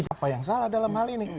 apa yang salah dalam hal ini